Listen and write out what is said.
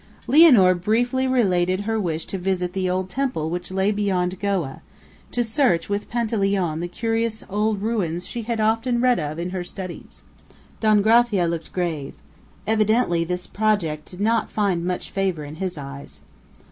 Lianor briefly related her wish to visit the old temple which lay beyond Goa, to search with Panteleone the curious old ruins she had so often read of in her studies. Don Gracia looked grave; evidently this project did not find much favor in his eyes.